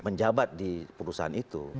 menjabat di perusahaan itu